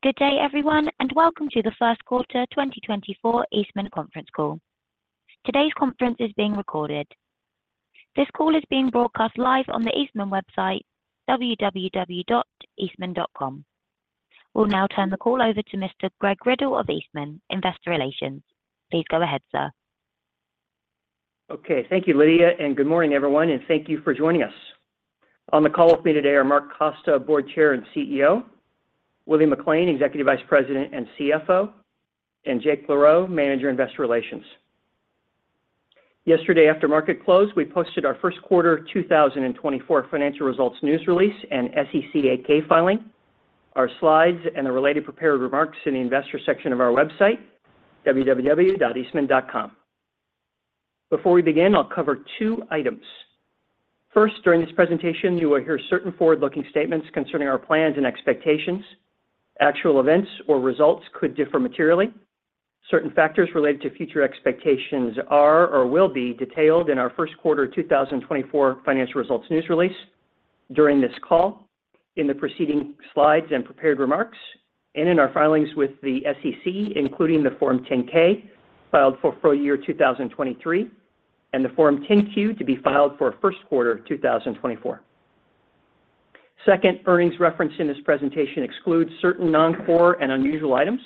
Good day, everyone, and welcome to the first quarter 2024 Eastman conference call. Today's conference is being recorded. This call is being broadcast live on the Eastman website, www.eastman.com. We'll now turn the call over to Mr. Greg Riddle of Eastman, Investor Relations. Please go ahead, sir. Okay. Thank you, Lydia, and good morning, everyone, and thank you for joining us. On the call with me today are Mark Costa, Board Chair and CEO, William McLain, Executive Vice President and CFO, and Jake LaRoe, Manager, Investor Relations. Yesterday, after market close, we posted our first quarter 2024 financial results news release and SEC 8-K filing, our slides, and the related prepared remarks in the investor section of our website, www.eastman.com. Before we begin, I'll cover two items. First, during this presentation, you will hear certain forward-looking statements concerning our plans and expectations. Actual events or results could differ materially. Certain factors related to future expectations are or will be detailed in our first quarter 2024 financial results news release during this call, in the preceding slides and prepared remarks, and in our filings with the SEC, including the Form 10-K filed for full year 2023, and the Form 10-Q to be filed for first quarter 2024. Second, earnings referenced in this presentation excludes certain non-core and unusual items.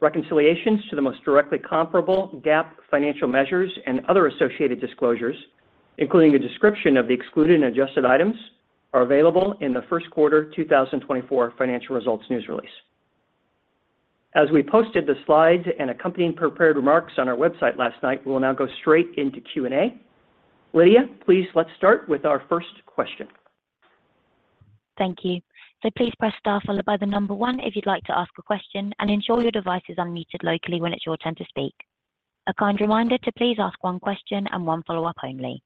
Reconciliations to the most directly comparable GAAP financial measures and other associated disclosures, including a description of the excluded and adjusted items, are available in the first quarter 2024 financial results news release. As we posted the slides and accompanying prepared remarks on our website last night, we will now go straight into Q&A. Lydia, please, let's start with our first question. Thank you. So please press star followed by the number one if you'd like to ask a question, and ensure your device is unmuted locally when it's your turn to speak. A kind reminder to please ask one question and one follow-up only.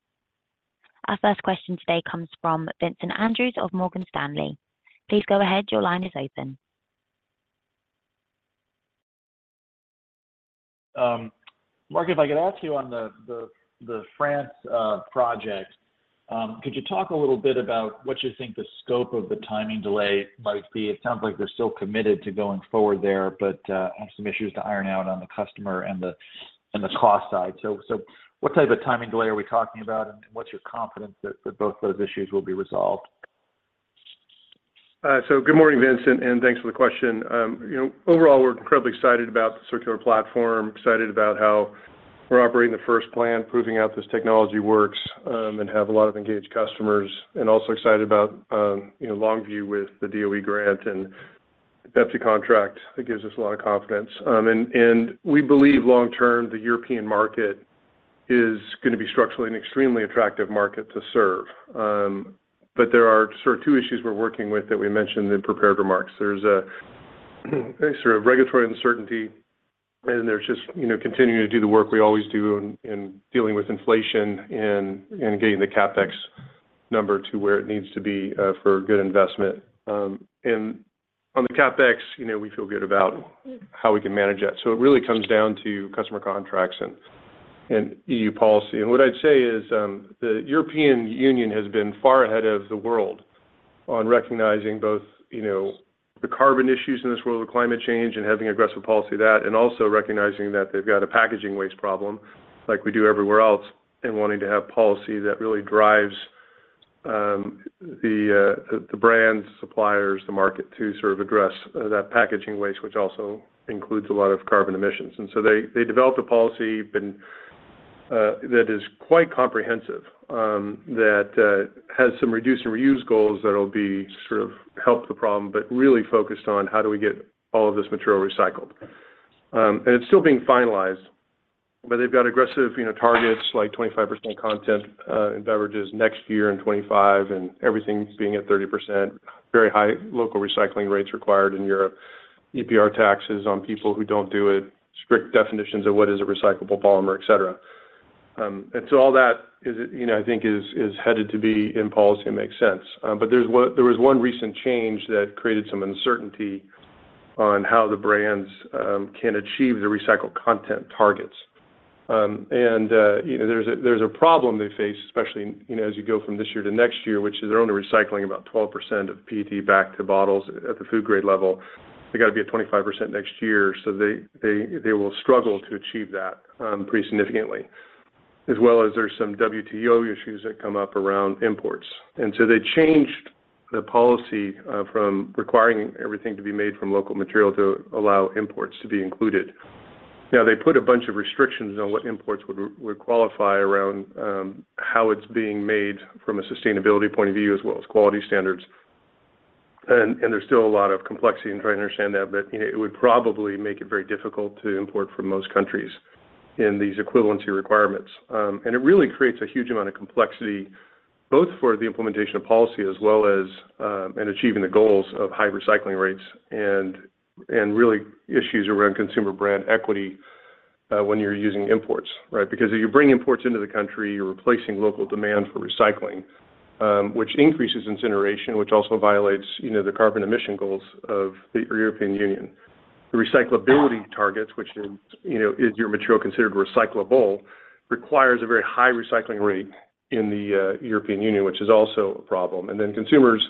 Our first question today comes from Vincent Andrews of Morgan Stanley. Please go ahead. Your line is open. Mark, if I could ask you on the France project, could you talk a little bit about what you think the scope of the timing delay might be? It sounds like they're still committed to going forward there, but have some issues to iron out on the customer and the cost side. So what type of timing delay are we talking about, and what's your confidence that both those issues will be resolved? So good morning, Vincent, and thanks for the question. You know, overall, we're incredibly excited about the circular platform, excited about how we're operating the first plant, proving out this technology works, and have a lot of engaged customers, and also excited about, you know, Longview with the DOE grant, and that's a contract that gives us a lot of confidence. And we believe long term, the European market is gonna be structurally an extremely attractive market to serve. But there are sort of two issues we're working with that we mentioned in prepared remarks. There's a sort of regulatory uncertainty, and there's just, you know, continuing to do the work we always do in dealing with inflation and getting the CapEx number to where it needs to be, for a good investment. On the CapEx, you know, we feel good about how we can manage that. So it really comes down to customer contracts and EU policy. What I'd say is, the European Union has been far ahead of the world on recognizing both, you know, the carbon issues in this world of climate change and having aggressive policy that, and also recognizing that they've got a packaging waste problem like we do everywhere else, and wanting to have policy that really drives the brands, suppliers, the market to sort of address that packaging waste, which also includes a lot of carbon emissions. They developed a policy been that is quite comprehensive, that has some reduce and reuse goals that will be sort of help the problem, but really focused on how do we get all of this material recycled. It's still being finalized, but they've got aggressive, you know, targets like 25% content in beverages next year in 2025, and everything being at 30%. Very high local recycling rates required in Europe. EPR taxes on people who don't do it, strict definitions of what is a recyclable polymer, et cetera. So all that is, you know, I think is headed to be in policy and makes sense. But there's one - there was one recent change that created some uncertainty on how the brands can achieve the recycled content targets. You know, there's a problem they face, especially, you know, as you go from this year to next year, which is they're only recycling about 12% of PET back to bottles at the food grade level. They got to be at 25% next year, so they, they, they will struggle to achieve that, pretty significantly. As well as there's some WTO issues that come up around imports. And so they changed the policy, from requiring everything to be made from local material to allow imports to be included. Now, they put a bunch of restrictions on what imports would, would qualify around, how it's being made from a sustainability point of view, as well as quality standards. There's still a lot of complexity in trying to understand that, but, you know, it would probably make it very difficult to import from most countries in these equivalency requirements. And it really creates a huge amount of complexity, both for the implementation of policy as well as, and achieving the goals of high recycling rates and really issues around consumer brand equity when you're using imports, right? Because if you bring imports into the country, you're replacing local demand for recycling, which increases incineration, which also violates, you know, the carbon emission goals of the European Union... The recyclability targets, which is, you know, your material considered recyclable, requires a very high recycling rate in the European Union, which is also a problem. And then consumers,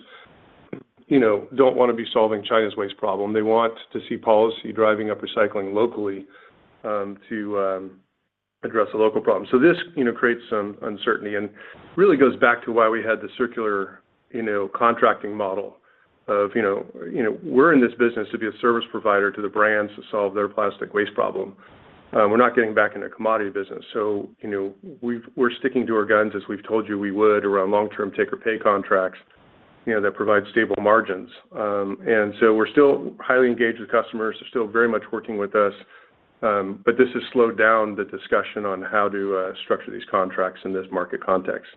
you know, don't want to be solving China's waste problem. They want to see policy driving up recycling locally, to address the local problem. So this, you know, creates some uncertainty and really goes back to why we had the circular, you know, contracting model of, you know, we're in this business to be a service provider to the brands to solve their plastic waste problem. We're not getting back in the commodity business, so, you know, we're sticking to our guns as we've told you we would, around long-term take-or-pay contracts, you know, that provide stable margins. And so we're still highly engaged with customers, they're still very much working with us, but this has slowed down the discussion on how to structure these contracts in this market context.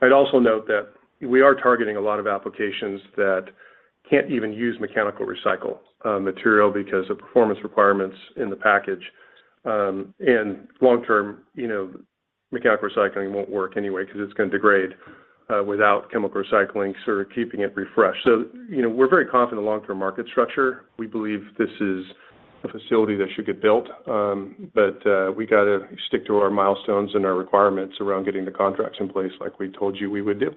I'd also note that we are targeting a lot of applications that can't even use mechanical recycle material, because the performance requirements in the package, and long term, you know, mechanical recycling won't work anyway, 'cause it's gonna degrade without chemical recycling sort of keeping it refreshed. So, you know, we're very confident in the long-term market structure. We believe this is a facility that should get built, but we gotta stick to our milestones and our requirements around getting the contracts in place like we told you we would do.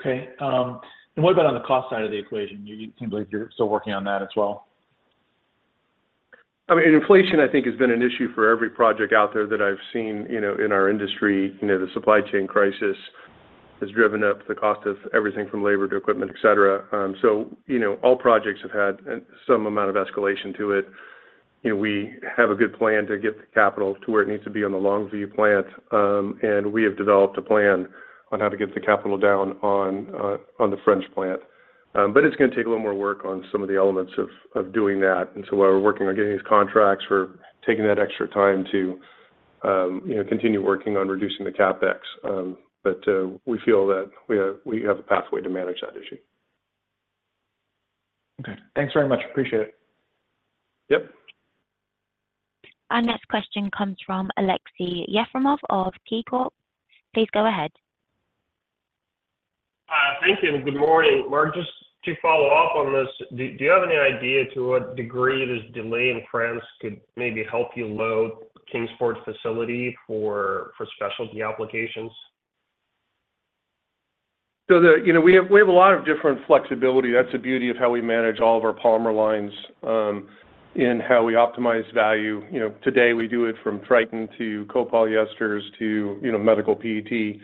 Okay, what about on the cost side of the equation? You seem like you're still working on that as well. I mean, inflation, I think, has been an issue for every project out there that I've seen, you know, in our industry. You know, the supply chain crisis has driven up the cost of everything from labor to equipment, et cetera. So, you know, all projects have had some amount of escalation to it. You know, we have a good plan to get the capital to where it needs to be on the Longview plant, and we have developed a plan on how to get the capital down on, on the French plant. But it's gonna take a little more work on some of the elements of, of doing that. And so while we're working on getting these contracts, we're taking that extra time to, you know, continue working on reducing the CapEx. We feel that we have, we have a pathway to manage that issue. Okay. Thanks very much. Appreciate it. Yep. Our next question comes from Aleksey Yefremov of KeyBanc. Please go ahead. Thank you, and good morning. Mark, just to follow up on this, do you have any idea to what degree this delay in France could maybe help you load Kingsport's facility for specialty applications? So, you know, we have, we have a lot of different flexibility. That's the beauty of how we manage all of our polymer lines in how we optimize value. You know, today we do it from Tritan to copolyesters to, you know, medical PET.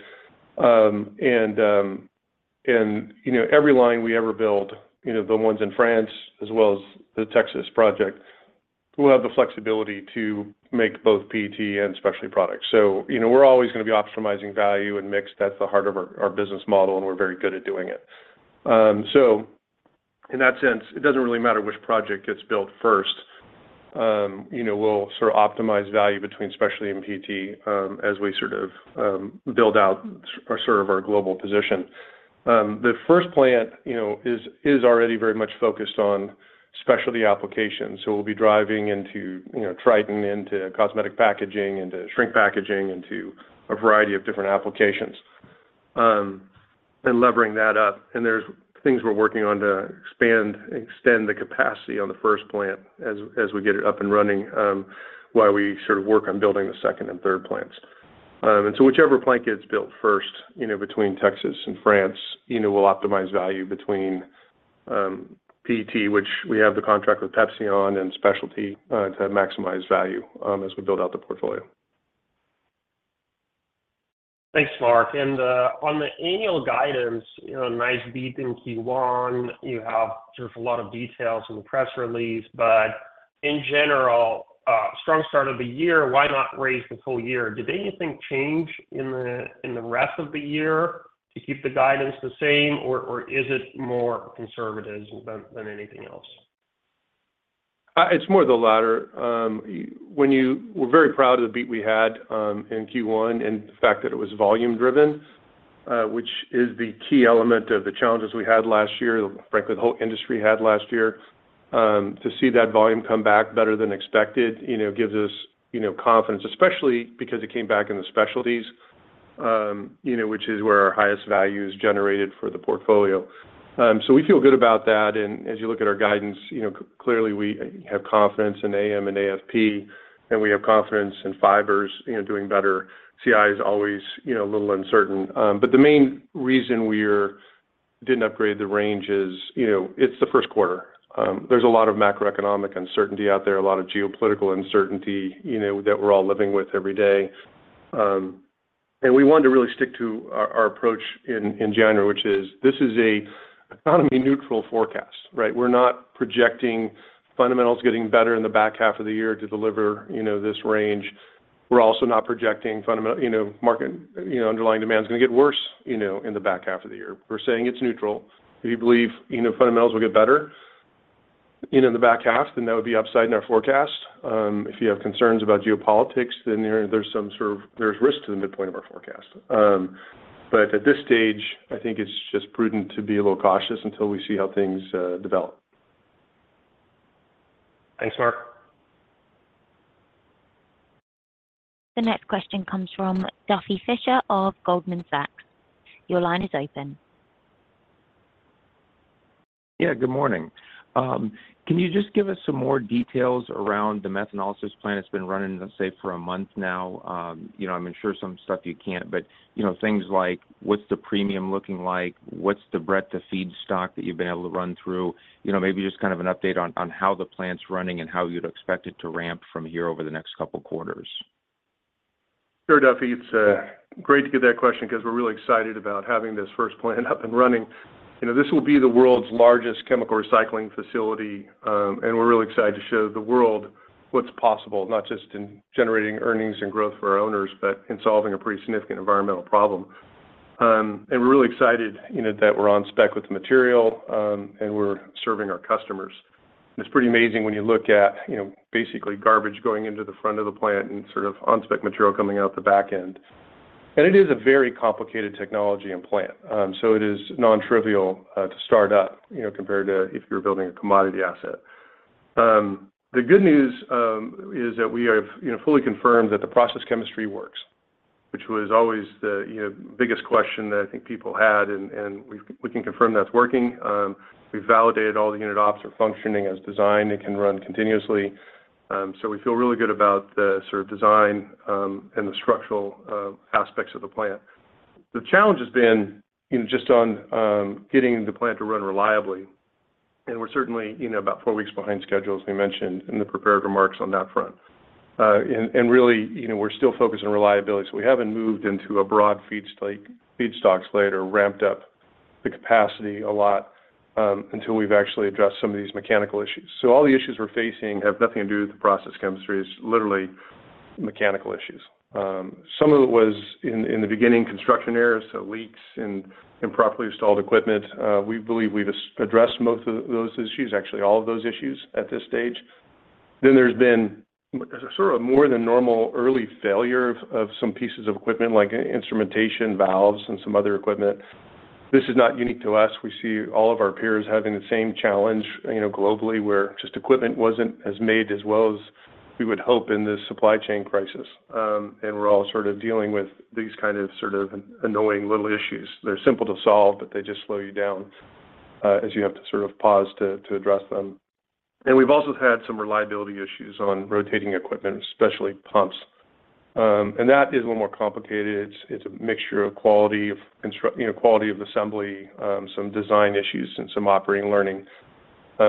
And, you know, every line we ever build, you know, the ones in France as well as the Texas project, we'll have the flexibility to make both PET and specialty products. So, you know, we're always gonna be optimizing value and mix. That's the heart of our, our business model, and we're very good at doing it. So in that sense, it doesn't really matter which project gets built first. You know, we'll sort of optimize value between specialty and PET as we sort of build out sort of our global position. The first plant, you know, is already very much focused on specialty applications, so we'll be driving into, you know, Tritan, into cosmetic packaging, into shrink packaging, into a variety of different applications, and levering that up. And there's things we're working on to expand and extend the capacity on the first plant as we get it up and running, while we sort of work on building the second and third plants. And so whichever plant gets built first, you know, between Texas and France, you know, we'll optimize value between, PET, which we have the contract with PepsiCo on, and specialty, to maximize value, as we build out the portfolio. Thanks, Mark. And, on the annual guidance, you know, nice beat in Q1. You have just a lot of details in the press release. But in general, strong start of the year, why not raise the full year? Did anything change in the rest of the year to keep the guidance the same, or is it more conservative than anything else? It's more the latter. We're very proud of the beat we had in Q1, and the fact that it was volume driven, which is the key element of the challenges we had last year, frankly, the whole industry had last year. To see that volume come back better than expected, you know, gives us, you know, confidence, especially because it came back in the specialties, you know, which is where our highest value is generated for the portfolio. So we feel good about that, and as you look at our guidance, you know, clearly, we have confidence in AM and AFP, and we have confidence in fibers, you know, doing better. CI is always, you know, a little uncertain. But the main reason we didn't upgrade the range is, you know, it's the first quarter. There's a lot of macroeconomic uncertainty out there, a lot of geopolitical uncertainty, you know, that we're all living with every day. And we wanted to really stick to our approach in general, which is this is a economy-neutral forecast, right? We're not projecting fundamentals getting better in the back half of the year to deliver, you know, this range. We're also not projecting fundamental—you know, market—you know, underlying demand is gonna get worse, you know, in the back half of the year. We're saying it's neutral. If you believe, you know, fundamentals will get better, you know, in the back half, then there would be upside in our forecast. If you have concerns about geopolitics, then there's some sort of—there's risk to the midpoint of our forecast. But at this stage, I think it's just prudent to be a little cautious until we see how things develop. Thanks, Mark. The next question comes from Duffy Fischer of Goldman Sachs. Your line is open. Yeah, good morning. Can you just give us some more details around the methanolysis plant that's been running, let's say, for a month now? You know, I'm sure some stuff you can't, but, you know, things like, what's the premium looking like? What's the breadth of feedstock that you've been able to run through? You know, maybe just kind of an update on how the plant's running and how you'd expect it to ramp from here over the next couple quarters. Sure, Duffy. It's great to get that question because we're really excited about having this first plant up and running. You know, this will be the world's largest chemical recycling facility, and we're really excited to show the world what's possible, not just in generating earnings and growth for our owners, but in solving a pretty significant environmental problem. And we're really excited, you know, that we're on spec with the material, and we're serving our customers. It's pretty amazing when you look at, you know, basically garbage going into the front of the plant and sort of on-spec material coming out the back end. And it is a very complicated technology and plant. So it is nontrivial to start up, you know, compared to if you're building a commodity asset. The good news is that we have, you know, fully confirmed that the process chemistry works, which was always the, you know, biggest question that I think people had, and we can confirm that's working. We've validated all the unit ops are functioning as designed and can run continuously. So we feel really good about the sort of design and the structural aspects of the plant. The challenge has been, you know, just on getting the plant to run reliably, and we're certainly, you know, about four weeks behind schedule, as we mentioned in the prepared remarks on that front. And really, you know, we're still focused on reliability, so we haven't moved into a broad feedstocks slate or ramped up the capacity a lot until we've actually addressed some of these mechanical issues. So all the issues we're facing have nothing to do with the process chemistry. It's literally mechanical issues. Some of it was in the beginning, construction errors, so leaks and improperly installed equipment. We believe we've addressed most of those issues, actually, all of those issues at this stage. Then there's been sort of a more than normal early failure of some pieces of equipment like instrumentation, valves, and some other equipment. This is not unique to us. We see all of our peers having the same challenge, you know, globally, where just equipment wasn't as made as well as we would hope in this supply chain crisis. And we're all sort of dealing with these kind of sort of annoying little issues. They're simple to solve, but they just slow you down as you have to sort of pause to address them. And we've also had some reliability issues on rotating equipment, especially pumps. And that is a little more complicated. It's a mixture of quality of construct, you know, quality of assembly, some design issues, and some operating learning.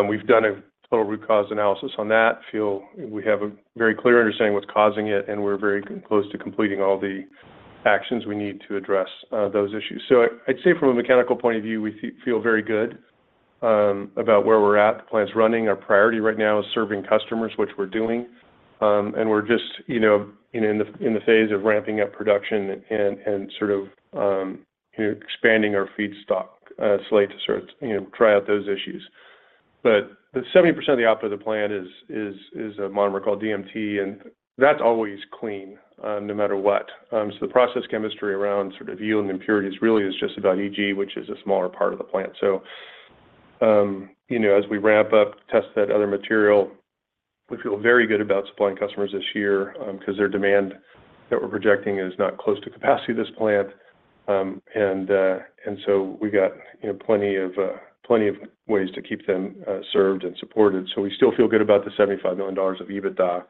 We've done a total root cause analysis on that. Feel we have a very clear understanding of what's causing it, and we're very close to completing all the actions we need to address those issues. So I'd say from a mechanical point of view, we feel very good about where we're at. The plant's running. Our priority right now is serving customers, which we're doing. And we're just, you know, in the phase of ramping up production and sort of, you know, expanding our feedstock slate to sort of, you know, try out those issues. But 70% of the output of the plant is a monomer called DMT, and that's always clean, no matter what. So the process chemistry around sort of yield and impurities really is just about EG, which is a smaller part of the plant. So, you know, as we ramp up, test that other material, we feel very good about supplying customers this year, 'cause their demand that we're projecting is not close to capacity of this plant. And so we've got, you know, plenty of plenty of ways to keep them served and supported. So we still feel good about the $75 million of EBITDA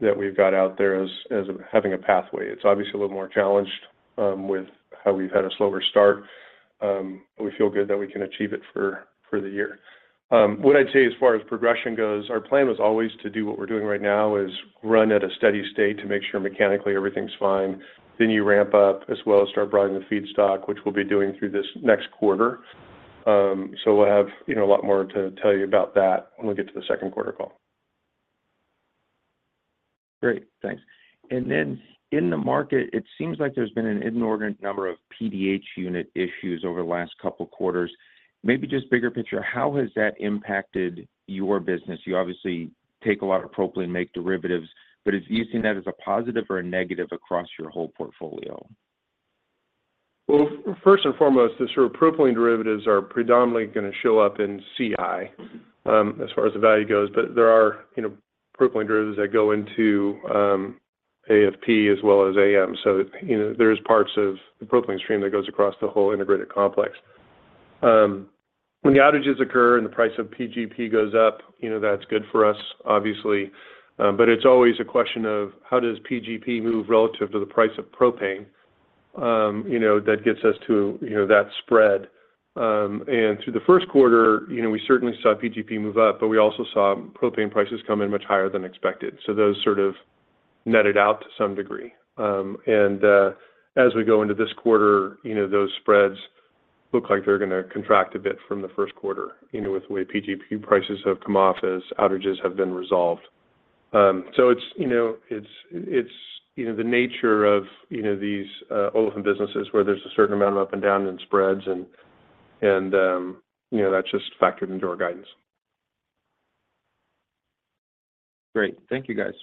that we've got out there as having a pathway. It's obviously a little more challenged with how we've had a slower start. But we feel good that we can achieve it for the year. What I'd say as far as progression goes, our plan was always to do what we're doing right now is run at a steady state to make sure mechanically everything's fine. Then you ramp up, as well as start broadening the feedstock, which we'll be doing through this next quarter. So we'll have you know, a lot more to tell you about that when we get to the second quarter call. Great, thanks. And then in the market, it seems like there's been an inordinate number of PDH unit issues over the last couple quarters. Maybe just bigger picture, how has that impacted your business? You obviously take a lot of propylene, make derivatives, but are you seeing that as a positive or a negative across your whole portfolio? Well, first and foremost, the sort of propylene derivatives are predominantly gonna show up in CI, as far as the value goes. But there are, you know, propylene derivatives that go into, AFP as well as AM. So, you know, there's parts of the propylene stream that goes across the whole integrated complex. When the outages occur, and the price of PGP goes up, you know, that's good for us, obviously. But it's always a question of how does PGP move relative to the price of propane? You know, that gets us to, you know, that spread. And through the first quarter, you know, we certainly saw PGP move up, but we also saw propane prices come in much higher than expected. So those sort of netted out to some degree. And as we go into this quarter, you know, those spreads look like they're gonna contract a bit from the first quarter, you know, with the way PGP prices have come off as outages have been resolved. So it's, you know, the nature of, you know, these olefin businesses where there's a certain amount of up and down and spreads and, and, you know, that's just factored into our guidance. Great. Thank you, guys.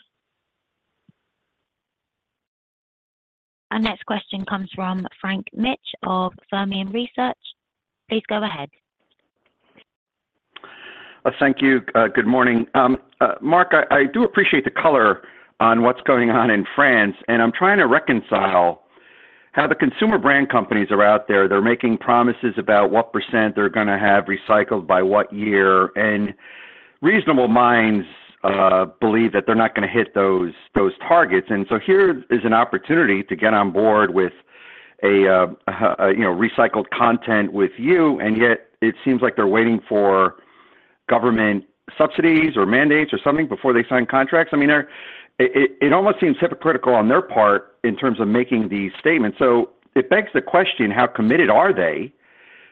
Our next question comes from Frank Mitsch of Fermium Research. Please go ahead. Thank you. Good morning. Mark, I do appreciate the color on what's going on in France, and I'm trying to reconcile how the consumer brand companies are out there. They're making promises about what percent they're gonna have recycled by what year, and reasonable minds believe that they're not gonna hit those targets. So here is an opportunity to get on board with a, you know, recycled content with you, and yet it seems like they're waiting for government subsidies or mandates or something before they sign contracts. I mean, it almost seems hypocritical on their part in terms of making these statements. So it begs the question, how committed are they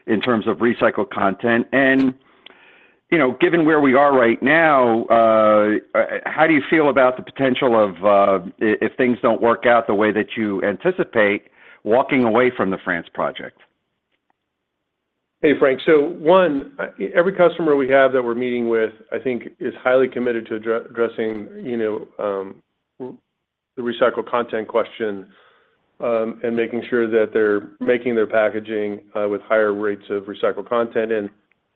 in terms of recycled content? You know, given where we are right now, how do you feel about the potential of, if things don't work out the way that you anticipate, walking away from the France project? Hey, Frank. So one, every customer we have that we're meeting with, I think is highly committed to addressing, you know, the recycled content question, and making sure that they're making their packaging, with higher rates of recycled content.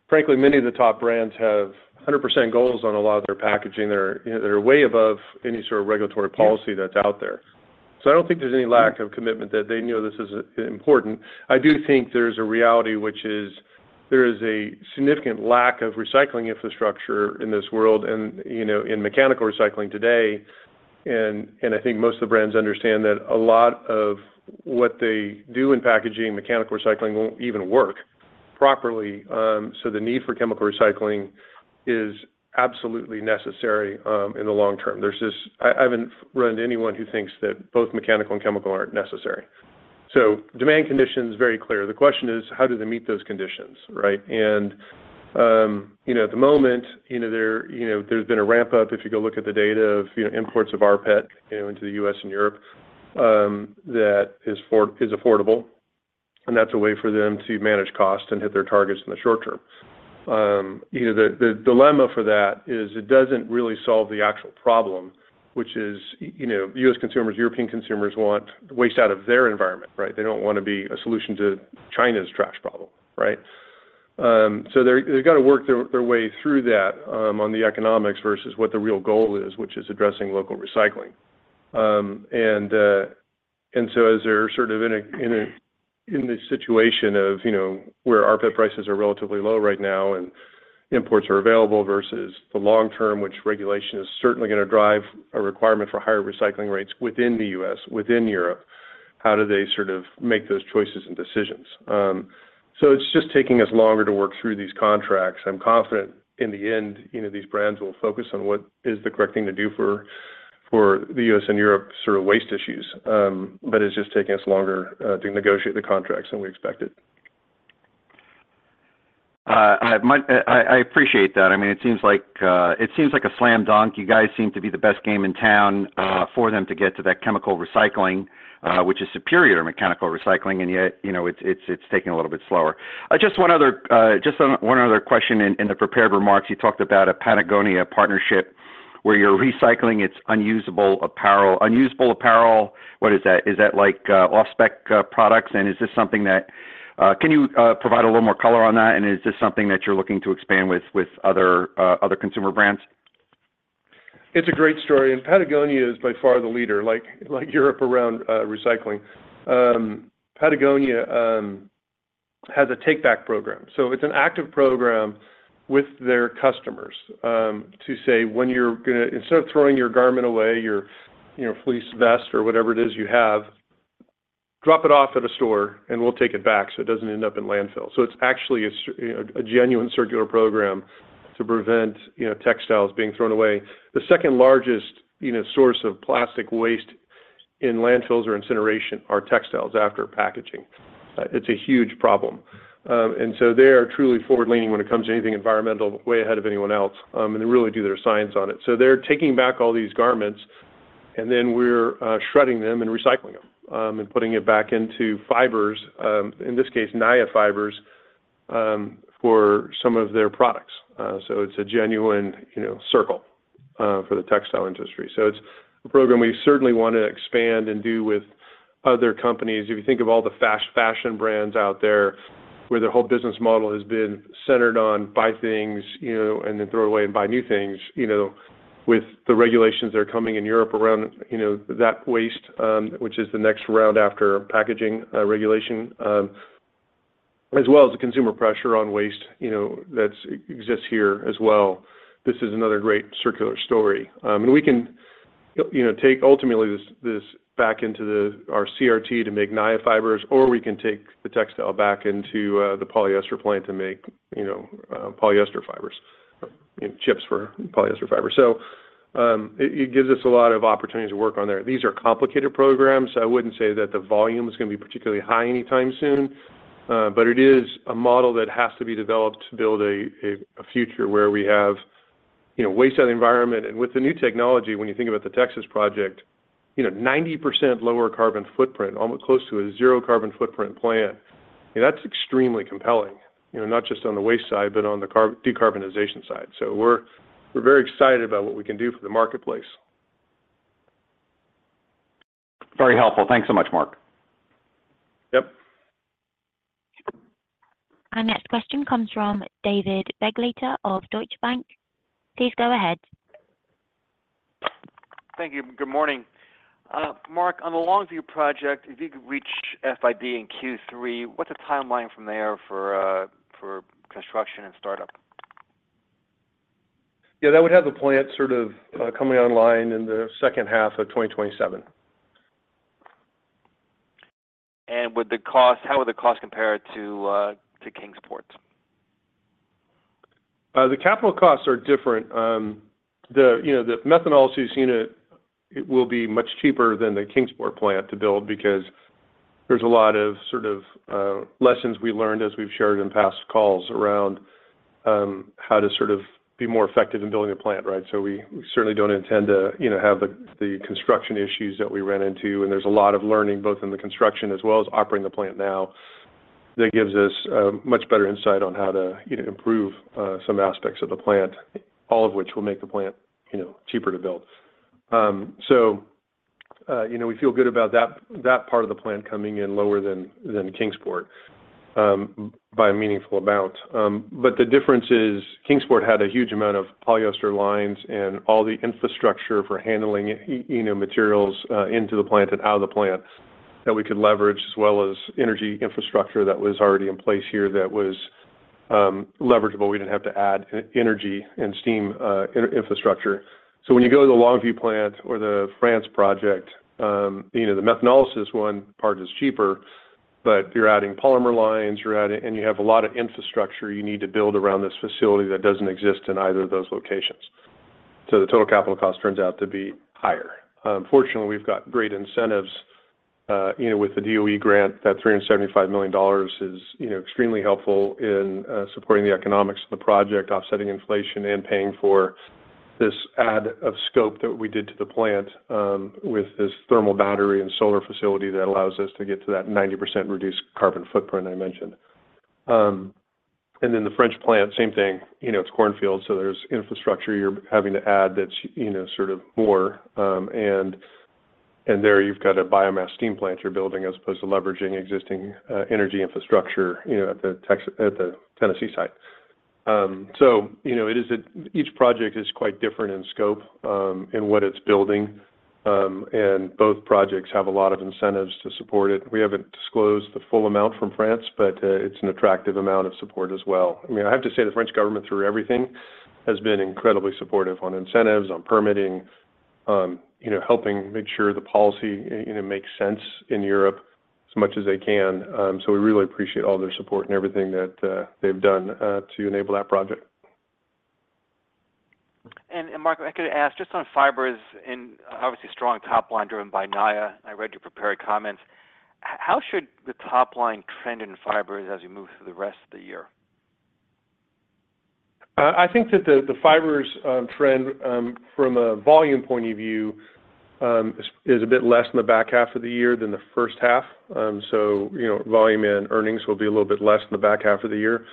And frankly, many of the top brands have 100% goals on a lot of their packaging. They're, you know, they're way above any sort of regulatory policy that's out there. So I don't think there's any lack of commitment, that they know this is important. I do think there's a reality, which is there is a significant lack of recycling infrastructure in this world and, you know, in mechanical recycling today, and I think most of the brands understand that a lot of what they do in packaging, mechanical recycling, won't even work properly. So the need for chemical recycling is absolutely necessary, in the long term. There's just I haven't run into anyone who thinks that both mechanical and chemical aren't necessary. So demand condition is very clear. The question is: How do they meet those conditions, right? And you know at the moment you know there you know there's been a ramp up, if you go look at the data of you know imports of rPET you know into the U.S. and Europe that is affordable, and that's a way for them to manage costs and hit their targets in the short term. You know the dilemma for that is it doesn't really solve the actual problem, which is you know U.S. consumers, European consumers want the waste out of their environment, right? They don't want to be a solution to China's trash problem, right? So they've got to work their way through that, on the economics versus what the real goal is, which is addressing local recycling. So as they're sort of in this situation of, you know, where rPET prices are relatively low right now and imports are available versus the long term, which regulation is certainly gonna drive a requirement for higher recycling rates within the U.S., within Europe, how do they sort of make those choices and decisions? So it's just taking us longer to work through these contracts. I'm confident in the end, you know, these brands will focus on what is the correct thing to do for the U.S. and Europe sort of waste issues. It's just taking us longer to negotiate the contracts than we expected. I appreciate that. I mean, it seems like a slam dunk. You guys seem to be the best game in town for them to get to that chemical recycling, which is superior to mechanical recycling, and yet, you know, it's taking a little bit slower. Just one other question in the prepared remarks. You talked about a Patagonia partnership where you're recycling its unusable apparel. Unusable apparel, what is that? Is that like off-spec products? And is this something that... can you provide a little more color on that? And is this something that you're looking to expand with other consumer brands? It's a great story, and Patagonia is by far the leader, like, like Europe around, recycling. Patagonia has a take-back program. So it's an active program with their customers, to say, "When you're gonna-- instead of throwing your garment away, your, you know, fleece vest or whatever it is you have, drop it off at a store, and we'll take it back, so it doesn't end up in landfill." So it's actually a circular, you know, a genuine circular program to prevent, you know, textiles being thrown away. The second largest, you know, source of plastic waste in landfills or incineration are textiles after packaging. It's a huge problem. And so they are truly forward-leaning when it comes to anything environmental, way ahead of anyone else, and they really do their science on it. So they're taking back all these garments, and then we're shredding them and recycling them, and putting it back into fibers, in this case, Naia fibers, for some of their products. So it's a genuine, you know, circular, for the textile industry. So it's a program we certainly want to expand and do with other companies. If you think of all the fashion brands out there, where their whole business model has been centered on buy things, you know, and then throw away and buy new things, you know, with the regulations that are coming in Europe around, you know, that waste, which is the next round after packaging regulation, as well as the consumer pressure on waste, you know, that exists here as well, this is another great circular story. And we can, you know, take ultimately this, this back into the, our CRT to make Naia fibers, or we can take the textile back into, the polyester plant to make, you know, polyester fibers, chips for polyester fibers. So, it, it gives us a lot of opportunity to work on there. These are complicated programs, so I wouldn't say that the volume is gonna be particularly high anytime soon. But it is a model that has to be developed to build a future where we have, you know, waste out of the environment. And with the new technology, when you think about the Texas project, you know, 90% lower carbon footprint, almost close to a zero-carbon footprint plant, and that's extremely compelling, you know, not just on the waste side, but on the carbon- decarbonization side. So we're very excited about what we can do for the marketplace.... Very helpful. Thanks so much, Mark. Yep. Our next question comes from David Begleiter of Deutsche Bank. Please go ahead. Thank you. Good morning. Mark, on the Longview project, if you could reach FID in Q3, what's the timeline from there for construction and startup? Yeah, that would have the plant sort of coming online in the second half of 2027. Would the cost-- How would the cost compare to, to Kingsport? The capital costs are different. The, you know, the methanolysis unit, it will be much cheaper than the Kingsport plant to build because there's a lot of sort of, lessons we learned as we've shared in past calls around, how to sort of be more effective in building a plant, right? So we, we certainly don't intend to, you know, have the, the construction issues that we ran into, and there's a lot of learning, both in the construction, as well as operating the plant now, that gives us, much better insight on how to, you know, improve, some aspects of the plant, all of which will make the plant, you know, cheaper to build. So, you know, we feel good about that, that part of the plant coming in lower than, than Kingsport, by a meaningful amount. But the difference is, Kingsport had a huge amount of polyester lines and all the infrastructure for handling you know, materials, into the plant and out of the plant that we could leverage, as well as energy infrastructure that was already in place here, that was leverageable. We didn't have to add energy and steam infrastructure. So when you go to the Longview plant or the France project, you know, the methanolysis one part is cheaper, but you're adding polymer lines, you're adding and you have a lot of infrastructure you need to build around this facility that doesn't exist in either of those locations. So the total capital cost turns out to be higher. Fortunately, we've got great incentives, you know, with the DOE grant, that $375 million is, you know, extremely helpful in supporting the economics of the project, offsetting inflation, and paying for this add of scope that we did to the plant, with this thermal battery and solar facility that allows us to get to that 90% reduced carbon footprint I mentioned. And then the French plant, same thing. You know, it's cornfield, so there's infrastructure you're having to add that's, you know, sort of more. And there you've got a biomass steam plant you're building, as opposed to leveraging existing energy infrastructure, you know, at the Tennessee site. So you know, it is each project is quite different in scope, in what it's building, and both projects have a lot of incentives to support it. We haven't disclosed the full amount from France, but it's an attractive amount of support as well. I mean, I have to say, the French government, through everything, has been incredibly supportive on incentives, on permitting, you know, helping make sure the policy, you know, makes sense in Europe as much as they can. So we really appreciate all their support and everything that they've done to enable that project. Mark, if I could ask, just on fibers and obviously strong top line driven by Naia, I read your prepared comments. How should the top line trend in fibers as we move through the rest of the year? I think that the fibers trend from a volume point of view is a bit less in the back half of the year than the first half. So, you know, volume and earnings will be a little bit less in the back half of the year.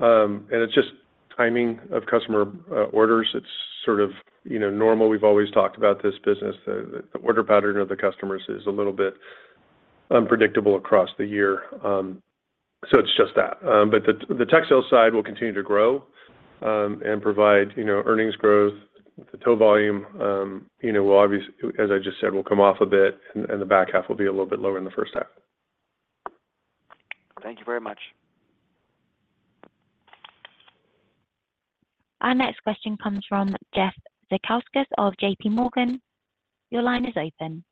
And it's just timing of customer orders. It's sort of, you know, normal. We've always talked about this business. The order pattern of the customers is a little bit unpredictable across the year. So it's just that. But the textiles side will continue to grow and provide, you know, earnings growth. The tow volume, you know, will obvious-- as I just said, will come off a bit, and the back half will be a little bit lower in the first half. Thank you very much. Our next question comes from Jeff Zekauskas of JPMorgan. Your line is open.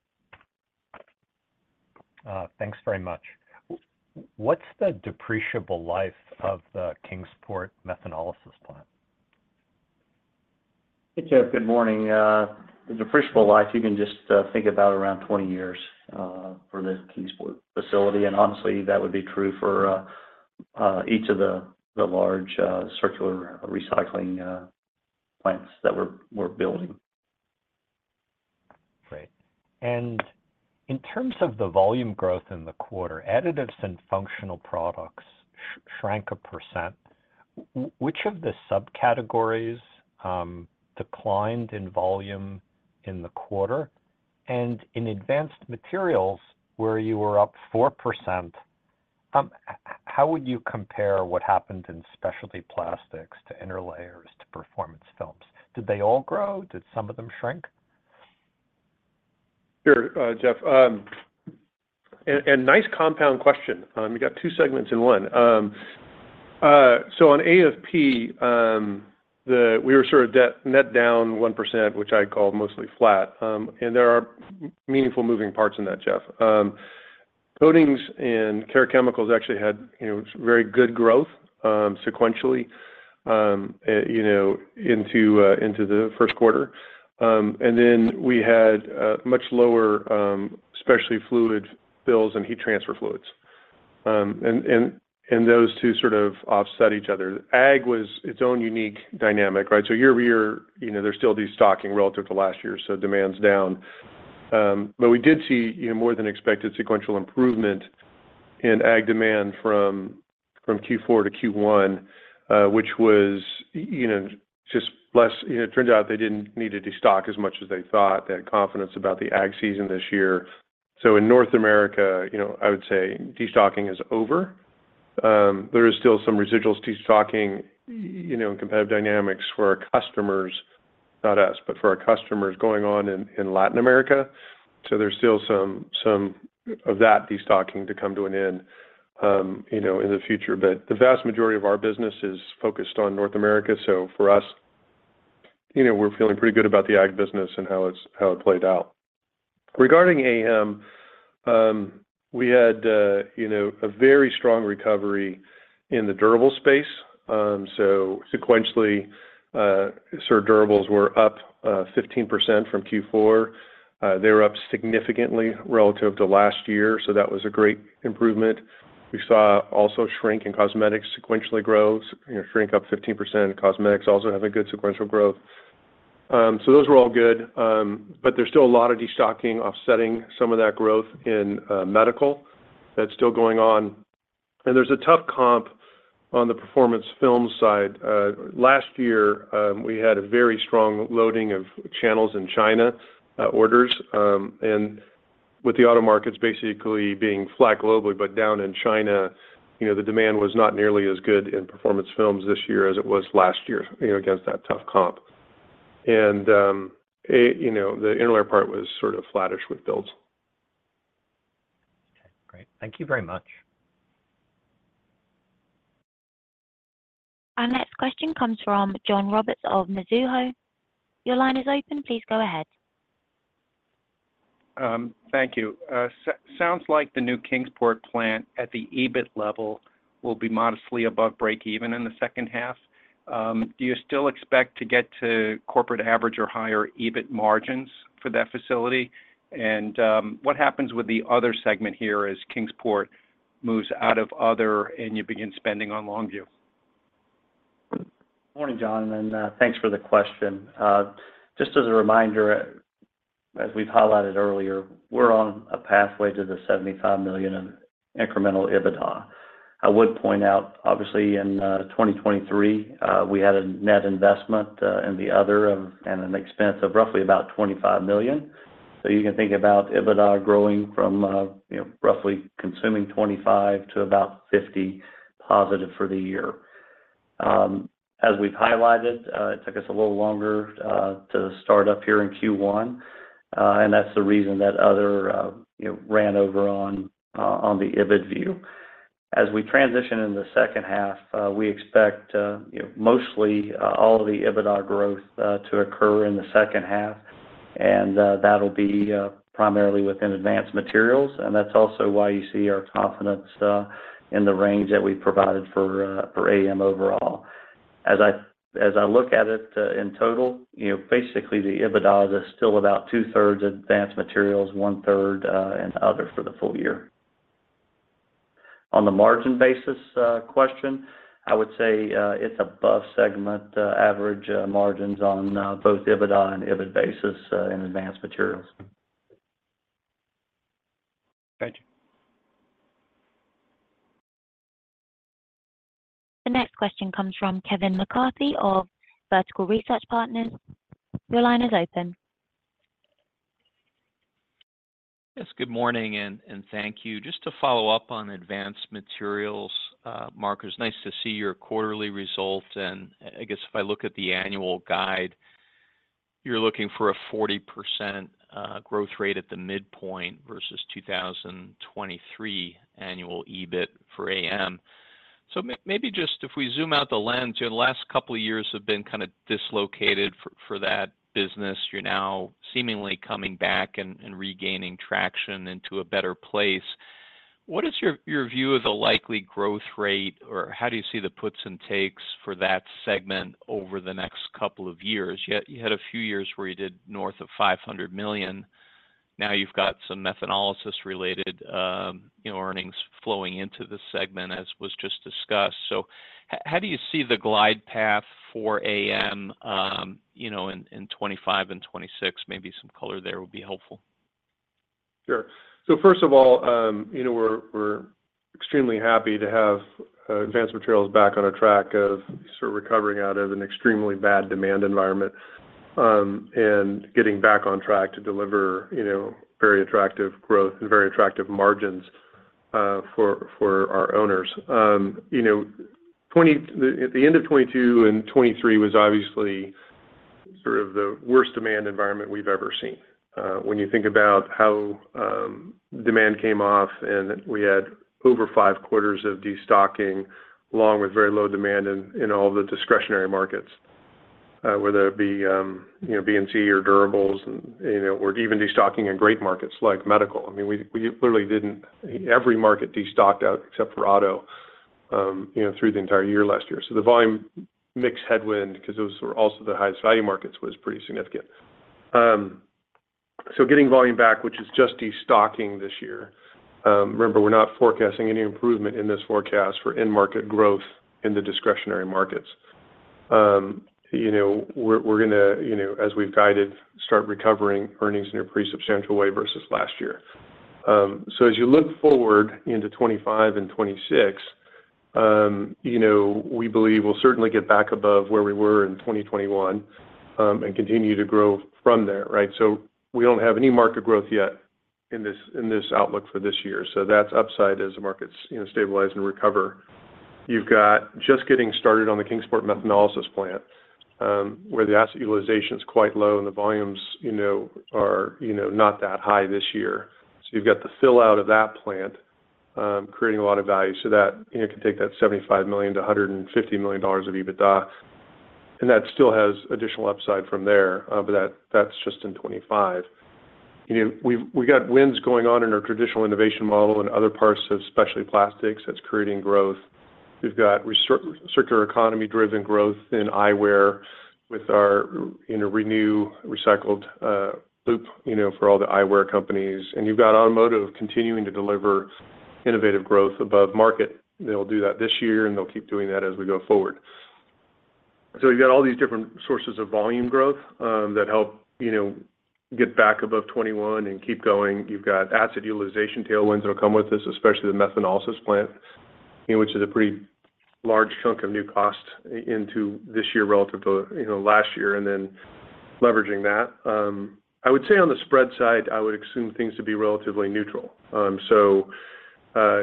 Thanks very much. What's the depreciable life of the Kingsport methanolysis plant? Hey, Jeff, good morning. The depreciable life, you can just think about around 20 years for the Kingsport facility, and honestly, that would be true for each of the large circular recycling plants that we're building. Great. And in terms of the volume growth in the quarter, Additives and Functional Products shrank 1%. Which of the subcategories declined in volume in the quarter? And in Advanced Materials, where you were up 4%, how would you compare what happened in specialty plastics to interlayers to Performance Films? Did they all grow? Did some of them shrink? Sure, Jeff. And nice compound question. You got two segments in one. So on AFP, the—we were sort of net, net down 1%, which I call mostly flat. And there are meaningful moving parts in that, Jeff. Coatings and care chemicals actually had, you know, very good growth, sequentially, you know, into the first quarter. And then we had much lower, especially fluid fills and heat transfer fluids. And those two sort of offset each other. Ag was its own unique dynamic, right? So year-over-year, you know, there's still de-stocking relative to last year, so demand's down. But we did see, you know, more than expected sequential improvement in Ag demand from Q4 to Q1, which was, you know, just less. You know, it turns out they didn't need to destock as much as they thought. They had confidence about the Ag season this year. So in North America, you know, I would say destocking is over. There is still some residual destocking, you know, in competitive dynamics for our customers, not us, but for our customers going on in, in Latin America. So there's still some, some of that destocking to come to an end, you know, in the future. But the vast majority of our business is focused on North America. So for us, you know, we're feeling pretty good about the Ag business and how it's-- how it played out. Regarding AM, we had, you know, a very strong recovery in the durable space. So sequentially, sort of durables were up 15% from Q4. They were up significantly relative to last year, so that was a great improvement. We saw also shrink in cosmetics, sequentially grows, you know, shrink up 15%, and cosmetics also have a good sequential growth. So those were all good, but there's still a lot of destocking, offsetting some of that growth in medical that's still going on. And there's a tough comp on the performance film side. Last year, we had a very strong loading of channels in China, orders. And with the auto markets basically being flat globally, but down in China, you know, the demand was not nearly as good in Performance Films this year as it was last year, you know, against that tough comp. And, you know, the interlayer part was sort of flattish with builds. Okay, great. Thank you very much. Our next question comes from John Roberts of Mizuho. Your line is open. Please go ahead. Thank you. Sounds like the new Kingsport plant at the EBIT level will be modestly above break even in the second half. Do you still expect to get to corporate average or higher EBIT margins for that facility? And, what happens with the other segment here as Kingsport moves out of other, and you begin spending on Longview? Morning, John, and, thanks for the question. Just as a reminder, as we've highlighted earlier, we're on a pathway to the $75 million in incremental EBITDA. I would point out, obviously, in, 2023, we had a net investment, in the other of... and an expense of roughly about $25 million. So you can think about EBITDA growing from, you know, roughly consuming 25 to about 50 positive for the year. As we've highlighted, it took us a little longer, to start up here in Q1, and that's the reason that other, you know, ran over on, on the EBIT view. As we transition in the second half, we expect, you know, mostly, all of the EBITDA growth to occur in the second half, and, that'll be primarily within Advanced Materials, and that's also why you see our confidence in the range that we provided for AM overall. As I look at it, in total, you know, basically, the EBITDA is still about two-thirds Advanced Materials, one-third, and other for the full year. On the margin basis question, I would say, it's above segment average margins on both EBITDA and EBIT basis in Advanced Materials. Thank you. The next question comes from Kevin McCarthy of Vertical Research Partners. Your line is open. Yes, good morning, and thank you. Just to follow up on Advanced Materials, Mark, nice to see your quarterly results, and I guess if I look at the annual guide, you're looking for a 40% growth rate at the midpoint versus 2023 annual EBIT for AM. So maybe just if we zoom out the lens, your last couple of years have been kind of dislocated for that business. You're now seemingly coming back and regaining traction into a better place. What is your view of the likely growth rate, or how do you see the puts and takes for that segment over the next couple of years? Yet you had a few years where you did north of $500 million. Now you've got some methanolysis related, you know, earnings flowing into the segment, as was just discussed. So how do you see the glide path for AM, you know, in 2025 and 2026? Maybe some color there would be helpful. Sure. So first of all, you know, we're, we're extremely happy to have Advanced Materials back on a track of sort of recovering out of an extremely bad demand environment, and getting back on track to deliver, you know, very attractive growth and very attractive margins, for, for our owners. You know, at the end of 2022 and 2023 was obviously sort of the worst demand environment we've ever seen. When you think about how demand came off, and we had over 5 quarters of destocking, along with very low demand in, in all the discretionary markets, whether it be, you know, B&C or durables, and, you know, or even destocking in great markets like medical. I mean, we, we literally didn't—every market destocked out except for auto, you know, through the entire year last year. So the volume mix headwind, because those were also the highest value markets, was pretty significant. So getting volume back, which is just destocking this year. Remember, we're not forecasting any improvement in this forecast for end market growth in the discretionary markets. You know, we're gonna, you know, as we've guided, start recovering earnings in a pretty substantial way versus last year. So as you look forward into 2025 and 2026, you know, we believe we'll certainly get back above where we were in 2021, and continue to grow from there, right? So we don't have any market growth yet in this outlook for this year. So that's upside as the markets, you know, stabilize and recover. You've got just getting started on the Kingsport methanolysis plant, where the asset utilization is quite low and the volumes, you know, are, you know, not that high this year. So you've got the fill out of that plant, creating a lot of value so that, you know, can take that $75 million-$150 million of EBITDA, and that still has additional upside from there, but that's just in 2025. You know, we've got wins going on in our traditional innovation model in other parts of specialty plastics that's creating growth. We've got circular economy-driven growth in eyewear with our, you know, Renew, recycled loop, you know, for all the eyewear companies. And you've got automotive continuing to deliver innovative growth above market. They'll do that this year, and they'll keep doing that as we go forward. So you've got all these different sources of volume growth that help, you know, get back above 21 and keep going. You've got asset utilization tailwinds that will come with this, especially the methanolysis plant, you know, which is a pretty large chunk of new cost into this year relative to, you know, last year, and then leveraging that. I would say on the spread side, I would assume things to be relatively neutral. So,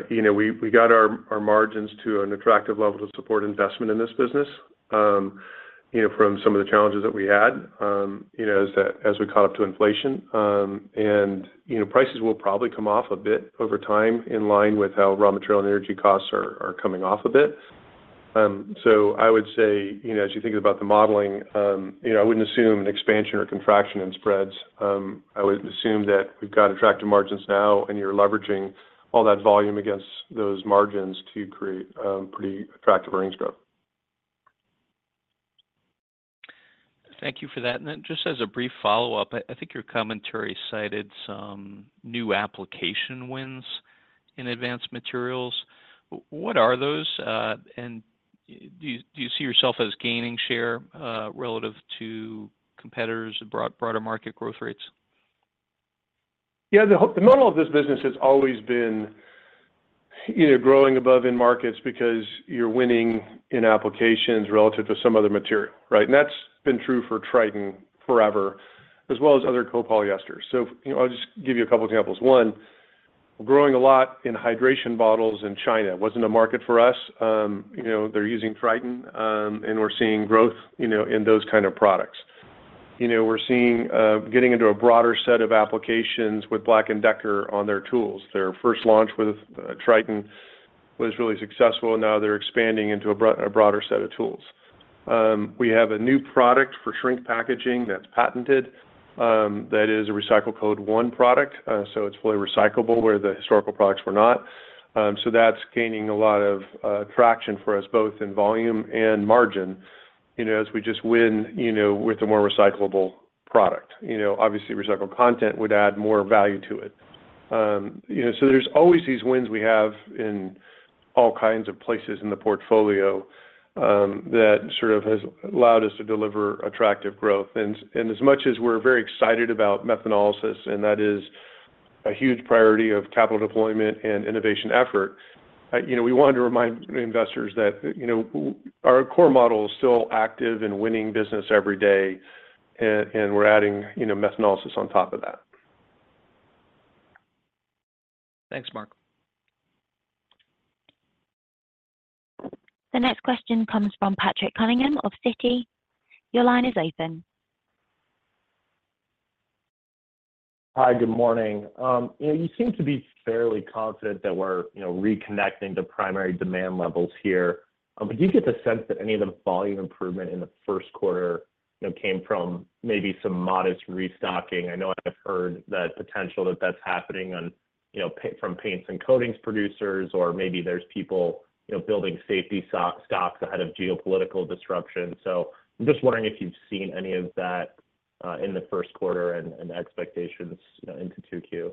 you know, we got our margins to an attractive level to support investment in this business, you know, from some of the challenges that we had, you know, as we caught up to inflation. And, you know, prices will probably come off a bit over time, in line with how raw material and energy costs are coming off a bit. So I would say, you know, as you think about the modeling, you know, I wouldn't assume an expansion or contraction in spreads. I would assume that we've got attractive margins now, and you're leveraging all that volume against those margins to create pretty attractive earnings growth. Thank you for that. Then just as a brief follow-up, I think your commentary cited some new application wins in Advanced Materials. What are those, and do you see yourself as gaining share relative to competitors and broader market growth rates? Yeah, the model of this business has always been, you know, growing above end markets because you're winning in applications relative to some other material, right? And that's been true for Tritan forever, as well as other copolyesters. So, you know, I'll just give you a couple examples. One, we're growing a lot in hydration bottles in China. Wasn't a market for us, you know, they're using Tritan, and we're seeing growth, you know, in those kind of products. You know, we're seeing, getting into a broader set of applications with BLACK+DECKER on their tools. Their first launch with, Tritan was really successful, and now they're expanding into a broader set of tools. We have a new product for shrink packaging that's patented, that is a recycle code one product. So it's fully recyclable, where the historical products were not. So that's gaining a lot of traction for us, both in volume and margin, you know, as we just win, you know, with a more recyclable product. You know, obviously, recycled content would add more value to it. You know, so there's always these wins we have in all kinds of places in the portfolio, that sort of has allowed us to deliver attractive growth. And, and as much as we're very excited about methanolysis, and that is a huge priority of capital deployment and innovation effort, you know, we wanted to remind investors that, you know, our core model is still active in winning business every day, and we're adding, you know, methanolysis on top of that. Thanks, Mark. The next question comes from Patrick Cunningham of Citi. Your line is open. Hi, good morning. You know, you seem to be fairly confident that we're, you know, reconnecting to primary demand levels here. Do you get the sense that any of the volume improvement in the first quarter, you know, came from maybe some modest restocking? I know I've heard the potential that that's happening on, you know, from paints and coatings producers, or maybe there's people, you know, building safety stock ahead of geopolitical disruption. So I'm just wondering if you've seen any of that in the first quarter and expectations, you know, into 2Q.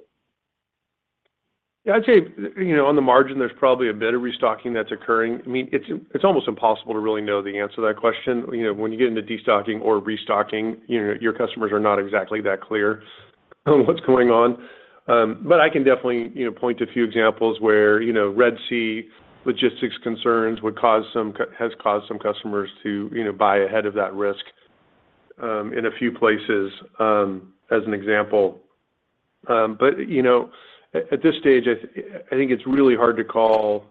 Yeah, I'd say, you know, on the margin, there's probably a bit of restocking that's occurring. I mean, it's almost impossible to really know the answer to that question. You know, when you get into destocking or restocking, you know, your customers are not exactly that clear on what's going on. But I can definitely, you know, point to a few examples where, you know, Red Sea logistics concerns has caused some customers to, you know, buy ahead of that risk, in a few places, as an example. But, you know, at this stage, I think it's really hard to call,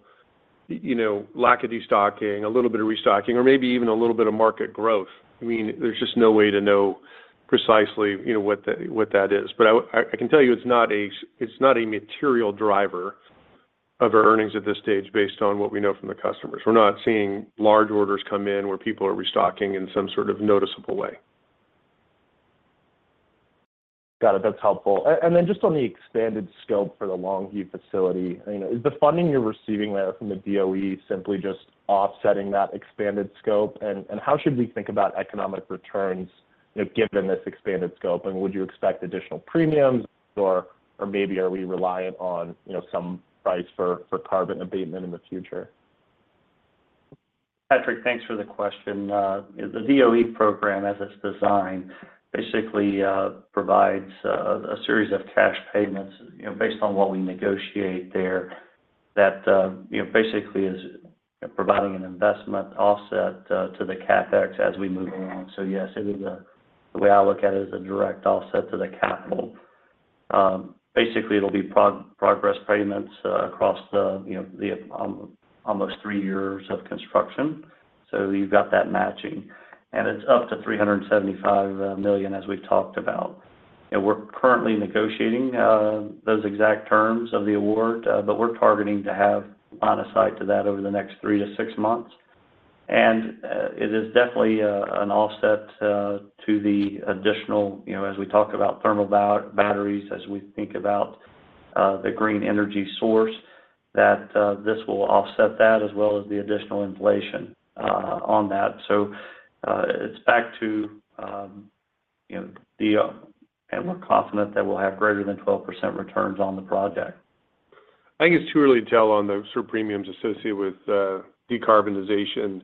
you know, lack of destocking, a little bit of restocking, or maybe even a little bit of market growth. I mean, there's just no way to know precisely, you know, what that is. But I can tell you it's not a material driver of our earnings at this stage, based on what we know from the customers. We're not seeing large orders come in, where people are restocking in some sort of noticeable way. Got it. That's helpful. And then just on the expanded scope for the Longview facility, you know, is the funding you're receiving there from the DOE simply just offsetting that expanded scope? And how should we think about economic returns, you know, given this expanded scope, and would you expect additional premiums, or maybe are we reliant on, you know, some price for carbon abatement in the future? Patrick, thanks for the question. The DOE program, as it's designed, basically provides a series of cash payments, you know, based on what we negotiate there, that, you know, basically is providing an investment offset to the CapEx as we move along. So yes, it is, the way I look at it, is a direct offset to the capital. Basically, it'll be progress payments across the, you know, the almost three years of construction. So you've got that matching, and it's up to $375 million, as we've talked about. And we're currently negotiating those exact terms of the award, but we're targeting to have line of sight to that over the next 3-6 months. It is definitely an offset to the additional, you know, as we talk about thermal batteries, as we think about the green energy source, that this will offset that, as well as the additional inflation on that. So, it's back to, you know, the, and we're confident that we'll have greater than 12% returns on the project. I think it's too early to tell on the sort of premiums associated with decarbonization.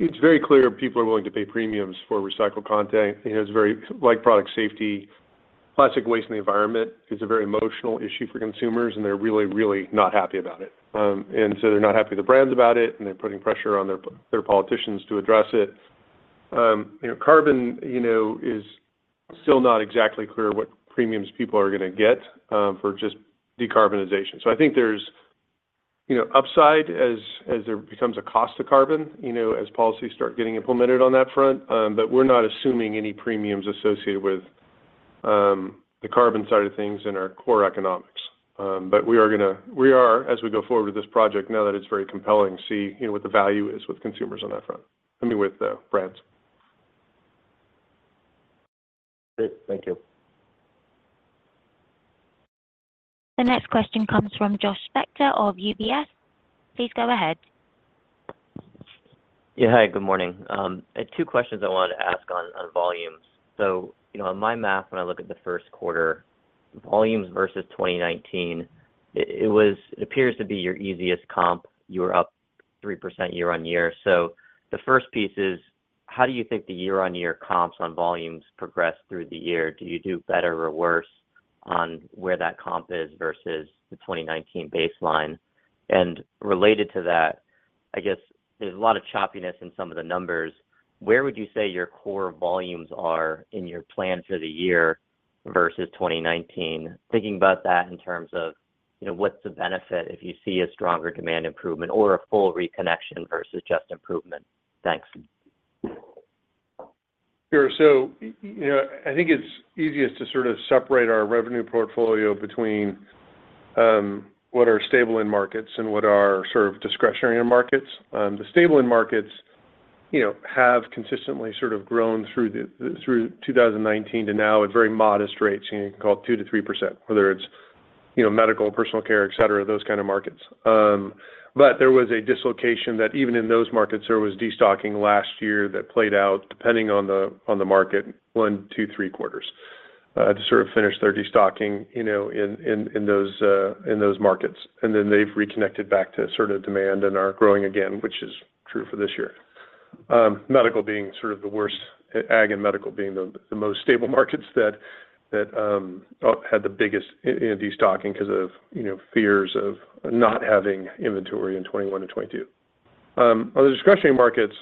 It's very clear people are willing to pay premiums for recycled content. You know, it's very like product safety, plastic waste in the environment is a very emotional issue for consumers, and they're really, really not happy about it. And so they're not happy with the brands about it, and they're putting pressure on their politicians to address it. You know, carbon, you know, is still not exactly clear what premiums people are going to get for just decarbonization. So I think there's, you know, upside as, as there becomes a cost to carbon, you know, as policies start getting implemented on that front. But we're not assuming any premiums associated with the carbon side of things in our core economics. But we are gonna, we are, as we go forward with this project, now that it's very compelling, see, you know, what the value is with consumers on that front. I mean, with the brands. Great. Thank you. The next question comes from Josh Spector of UBS. Please go ahead. Yeah. Hi, good morning. I had two questions I wanted to ask on volumes. So, you know, on my math, when I look at the first quarter, volumes versus 2019, it appears to be your easiest comp. You were up 3% year-on-year. So the first piece is: how do you think the year-on-year comps on volumes progress through the year? Do you do better or worse on where that comp is versus the 2019 baseline? And related to that, I guess there's a lot of choppiness in some of the numbers. Where would you say your core volumes are in your plan for the year versus 2019? Thinking about that in terms of, you know, what's the benefit if you see a stronger demand improvement or a full reconnection versus just improvement. Thanks. Sure. So, you know, I think it's easiest to sort of separate our revenue portfolio between what are stable end markets and what are sort of discretionary markets. The stable end markets, you know, have consistently sort of grown through the through 2019 to now at very modest rates, you know, call it 2%-3%, whether it's, you know, medical, personal care, et cetera, those kind of markets. But there was a dislocation that even in those markets, there was destocking last year that played out, depending on the on the market, one, two, three quarters to sort of finish their destocking, you know, in in in those in those markets. And then they've reconnected back to sort of demand and are growing again, which is true for this year. Medical being sort of the worst... Ag and medical being the most stable markets that had the biggest in destocking because of, you know, fears of not having inventory in 2021-2022. On the discretionary markets,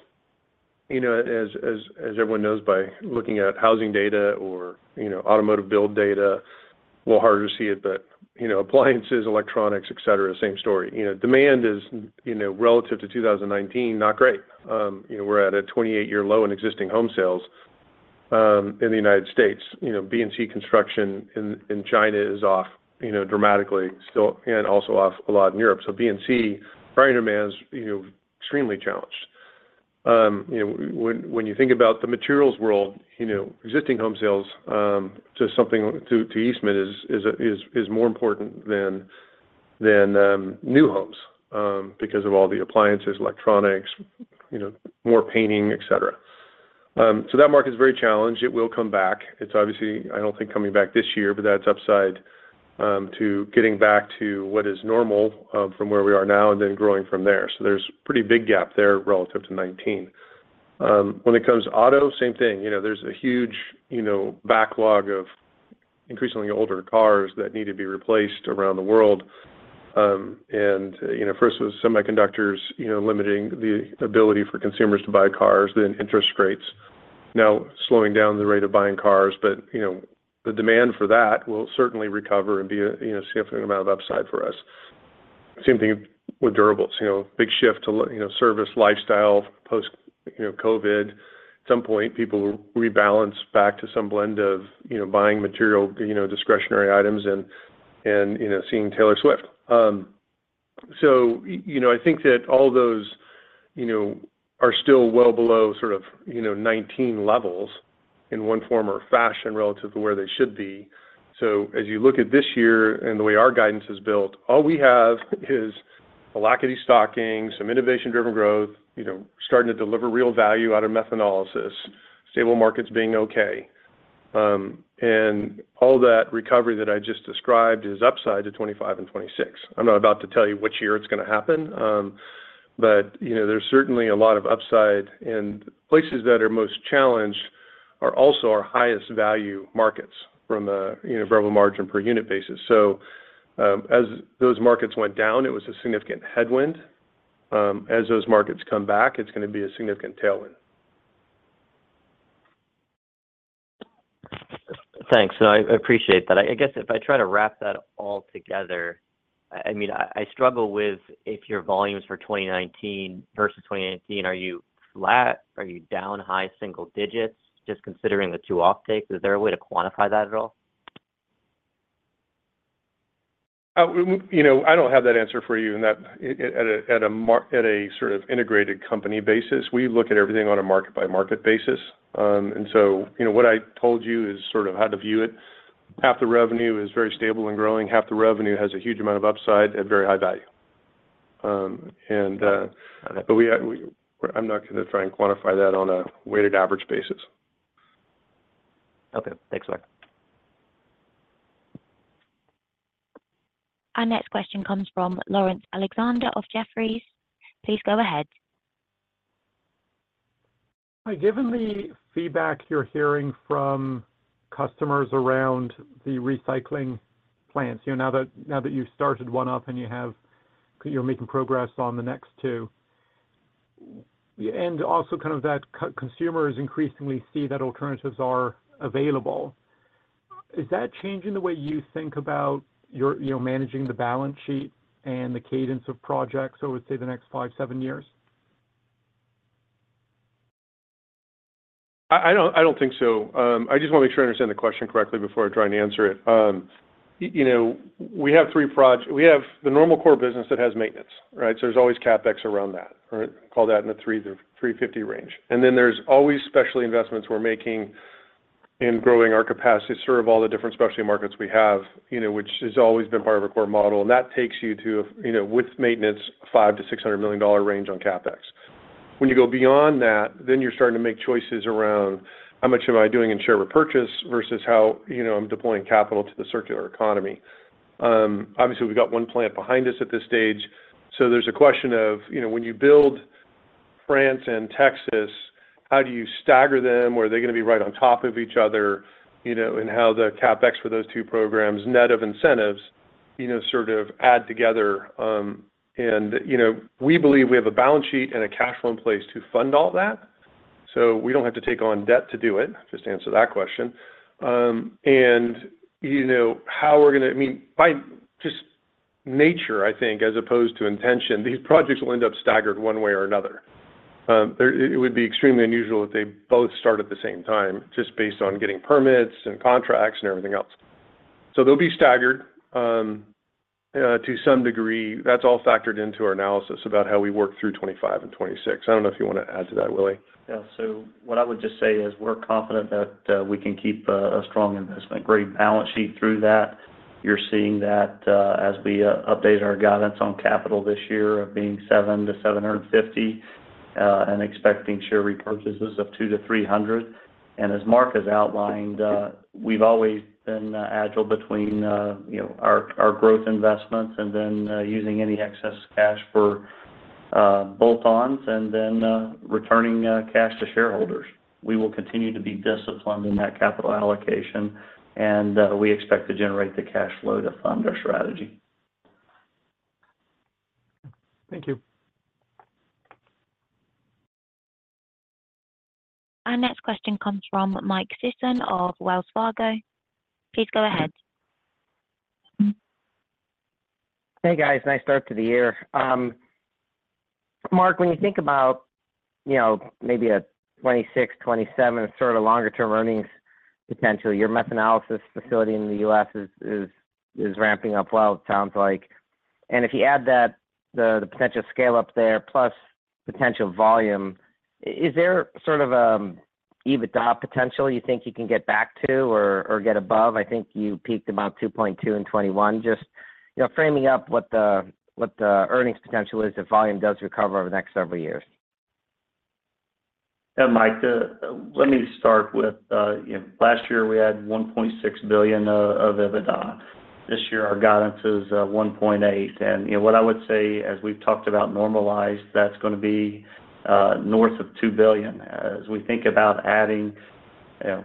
you know, as everyone knows by looking at housing data or, you know, automotive build data, a little harder to see it, but, you know, appliances, electronics, et cetera, same story. You know, demand is, you know, relative to 2019, not great. You know, we're at a 28-year low in existing home sales in the United States. You know, B&C construction in China is off, you know, dramatically still, and also off a lot in Europe. So B&C prior demand is, you know, extremely challenged. You know, when you think about the materials world, you know, existing home sales to Eastman is more important than new homes because of all the appliances, electronics, you know, more painting, et cetera. So that market is very challenged. It will come back. It's obviously, I don't think, coming back this year, but that's upside to getting back to what is normal from where we are now and then growing from there. So there's a pretty big gap there relative to 2019. When it comes to auto, same thing. You know, there's a huge, you know, backlog of increasingly older cars that need to be replaced around the world. And, you know, first, it was semiconductors, you know, limiting the ability for consumers to buy cars, then interest rates now slowing down the rate of buying cars. But, you know, the demand for that will certainly recover and be a, you know, significant amount of upside for us. Same thing with durables. You know, big shift to service lifestyle, post, you know, COVID. At some point, people will rebalance back to some blend of, you know, buying material, you know, discretionary items and, you know, seeing Taylor Swift. So, you know, I think that all those, you know, are still well below sort of, you know, 2019 levels in one form or fashion, relative to where they should be. So as you look at this year and the way our guidance is built, all we have is a lack of destocking, some innovation-driven growth, you know, starting to deliver real value out of methanolysis, stable markets being okay. And all that recovery that I just described is upside to 2025 and 2026. I'm not about to tell you which year it's going to happen, but, you know, there's certainly a lot of upside, and places that are most challenged are also our highest value markets from a, you know, variable margin per unit basis. So, as those markets went down, it was a significant headwind. As those markets come back, it's gonna be a significant tailwind. Thanks. So I appreciate that. I guess if I try to wrap that all together, I mean, I struggle with if your volumes for 2019 versus 2018, are you flat? Are you down high single digits, just considering the two offtakes? Is there a way to quantify that at all? You know, I don't have that answer for you, and that at a sort of integrated company basis, we look at everything on a market-by-market basis. And so, you know, what I told you is sort of how to view it. Half the revenue is very stable and growing, half the revenue has a huge amount of upside at very high value. Got it. But I'm not going to try and quantify that on a weighted average basis. Okay. Thanks a lot. Our next question comes from Laurence Alexander of Jefferies. Please go ahead. Hi, given the feedback you're hearing from customers around the recycling plants, you know, now that you've started one up and you're making progress on the next two, and also kind of that consumers increasingly see that alternatives are available, is that changing the way you think about your, you know, managing the balance sheet and the cadence of projects over, say, the next five, seven years? I don't think so. I just want to make sure I understand the question correctly before I try and answer it. You know, we have the normal core business that has maintenance, right? So there's always CapEx around that, all right? Call that in the $3 million-$350 million range. And then there's always special investments we're making in growing our capacity to serve all the different specialty markets we have, you know, which has always been part of our core model. And that takes you to, you know, with maintenance, $500 million-$600 million range on CapEx. When you go beyond that, then you're starting to make choices around: how much am I doing in share repurchase versus how, you know, I'm deploying capital to the circular economy? Obviously, we've got one plant behind us at this stage, so there's a question of, you know, when you build France and Texas, how do you stagger them? Were they gonna be right on top of each other, you know, and how the CapEx for those two programs, net of incentives, you know, sort of add together, and you know... We believe we have a balance sheet and a cash flow in place to fund all that, so we don't have to take on debt to do it, just to answer that question. You know, how we're gonna, I mean, by just nature, I think, as opposed to intention, these projects will end up staggered one way or another. It would be extremely unusual if they both start at the same time, just based on getting permits and contracts and everything else. So they'll be staggered, to some degree. That's all factored into our analysis about how we work through 2025 and 2026. I don't know if you want to add to that, Willie. Yeah. So what I would just say is, we're confident that we can keep a strong investment-grade balance sheet through that. You're seeing that as we update our guidance on capital this year of being $700 million-$750 million and expecting share repurchases of $200 million-$300 million. And as Mark has outlined, we've always been agile between, you know, our growth investments and then using any excess cash for bolt-ons and then returning cash to shareholders. We will continue to be disciplined in that capital allocation, and we expect to generate the cash flow to fund our strategy. Thank you. Our next question comes from Mike Sisson of Wells Fargo. Please go ahead. Hey, guys. Nice start to the year. Mark, when you think about, you know, maybe a 2026, 2027, sort of longer term earnings potential, your methanolysis facility in the U.S. is ramping up well, it sounds like. And if you add that, the potential scale up there plus potential volume, is there sort of EBITDA potential you think you can get back to or get above? I think you peaked about 2.2 in 2021. Just, you know, framing up what the earnings potential is if volume does recover over the next several years. Yeah, Mike, let me start with, last year, we had $1.6 billion of EBITDA. This year, our guidance is, $1.8 billion. And, you know, what I would say, as we've talked about normalized, that's going to be, north of $2 billion. As we think about adding, you know,